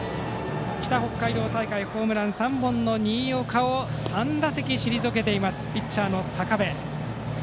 北北海道大会ホームラン数３本の新岡を３打席、退けているピッチャーの坂部。